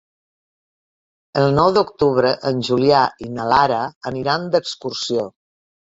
El nou d'octubre en Julià i na Lara aniran d'excursió.